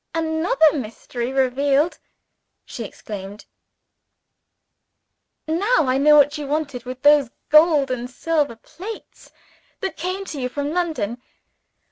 "Another mystery revealed!" she exclaimed. "Now I know what you wanted with those gold and silver plates that came to you from London.